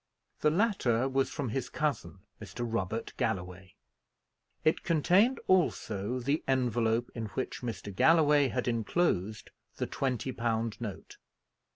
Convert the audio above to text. The latter was from his cousin, Mr. Robert Galloway. It contained also the envelope in which Mr. Galloway had enclosed the twenty pound note.